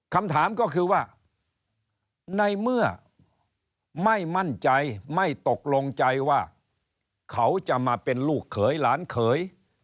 คำถามก็คือว่าในเมื่อไม่มั่นใจไม่ตกลงใจว่าเขาจะมาเป็นลูกเขยหลานเขย